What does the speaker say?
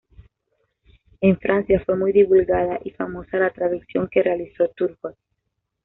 En Francia fue muy divulgada y famosa la traducción que realizó Turgot.